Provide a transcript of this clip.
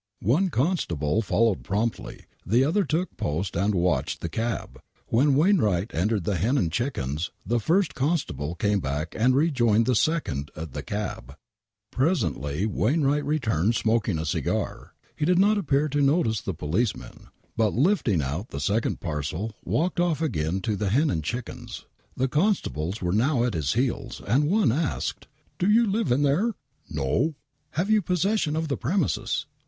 One constable followed promptly ; the other took post and watched the cab. When Wainwright entered the Hen and Chickens the first constable came back and rejoined the second at the cab. . IVl' ■itMi^s^i'il WAINWRIGHT MURDER Presently Wainwright returned smoking a cigar. He did not appeiir to notice the policeman, but, lifting out the second parcel walked off again to the Hen and Chickens. The constables were now at his heels, and one asked : "Do you live in there ?"" No I" " Have you possession of the premises